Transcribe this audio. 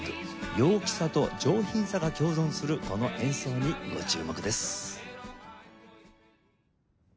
陽気さと上品さが共存するこの演奏にご注目です。